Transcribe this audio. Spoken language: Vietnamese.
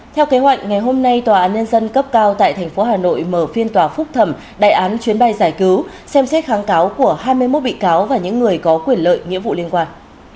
theo kế hoạch ngày hôm nay tòa án nhân dân cấp cao tại tp hà nội mở phiên tòa phúc thẩm đại án chuyến bay giải cứu xem xét kháng cáo của hai mươi một bị cáo và những người có quyền lợi nghĩa vụ liên quan